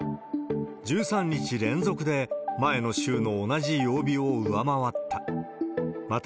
１３日連続で前の週の同じ曜日を上回った。